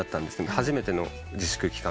初めての自粛期間。